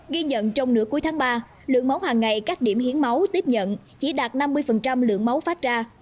ghi nhận trong nửa cuối tháng ba lượng máu hàng ngày các điểm hiến máu tiếp nhận chỉ đạt năm mươi lượng máu phát ra